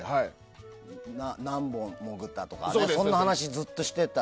何本潜ったとかそんな話ずっとしてた。